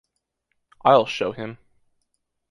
I’ll show him.